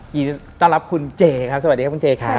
ยินดีต้อนรับคุณเจครับสวัสดีครับคุณเจครับ